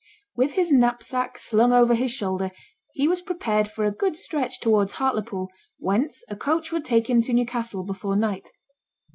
With his knapsack slung over his shoulder, he was prepared for a good stretch towards Hartlepool, whence a coach would take him to Newcastle before night.